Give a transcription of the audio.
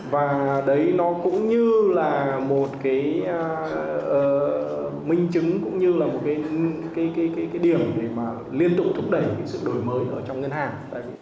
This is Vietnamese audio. và đấy nó cũng như là một cái minh chứng cũng như là một cái điểm để mà liên tục thúc đẩy cái sự đổi mới ở trong ngân hàng